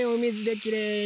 「きれいに」